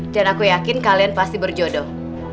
dan aku yakin kalian pasti berjodoh